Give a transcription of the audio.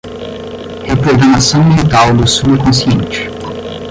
Reprogramação mental do subconsciente